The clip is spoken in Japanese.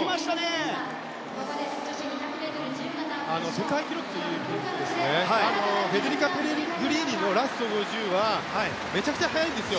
世界記録でいうとフェデリカ・ペレグリーニのラスト５０はめちゃくちゃ速いんですよ。